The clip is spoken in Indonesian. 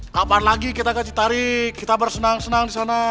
kapan lagi kita gak citarik kita bersenang senang disana